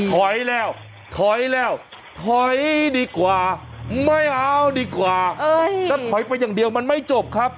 ถอยแล้วถอยแล้วถอยดีกว่าไม่เอาดีกว่าถ้าถอยไปอย่างเดียวมันไม่จบครับ